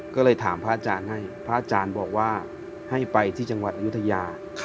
ก็เลยถามพระอาจารย์ให้พระอาจารย์บอกว่าให้ไปที่จังหวัดอายุทยา